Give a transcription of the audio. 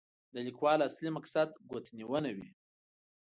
د لیکوال اصلي مقصد ګوتنیونه وي.